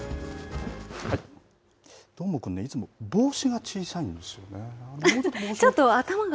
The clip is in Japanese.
どーもくんねいつも帽子が小さいんですよね。